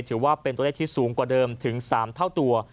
ถือว่าเป็นตัวเลขที่สูงกว่าเดิมถึง๓เท่าตัว